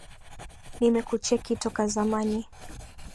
Nimekucheki toka zamani.